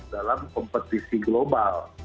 dalam kompetisi global